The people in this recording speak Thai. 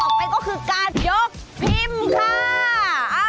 ขั้นตอนต่อไปก็คือการยกพิมพ์ค่ะ